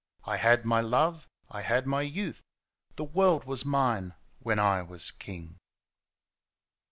I had my love, I had my youths The world was mine when I was king.